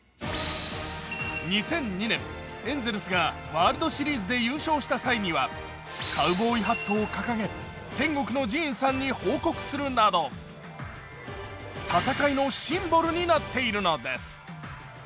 ２００２年、エンゼルスがワールドシリーズで優勝した際にはカウボーイハットを掲げ、天国のジーンさんに報告するなど戦いのシンボルになっているのです。